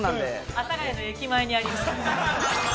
◆阿佐ヶ谷の駅前にあります。